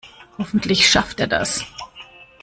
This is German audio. Hoffentlich schafft er das.